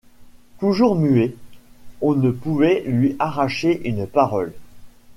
Toujours muet, on ne pouvait lui arracher une parole.